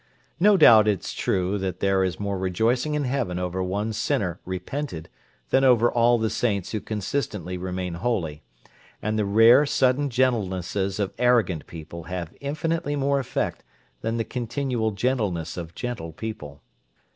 No doubt it is true that there is more rejoicing in heaven over one sinner repented than over all the saints who consistently remain holy, and the rare, sudden gentlenesses of arrogant people have infinitely more effect than the continual gentleness of gentle people.